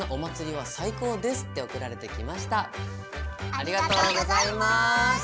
ありがとうございます。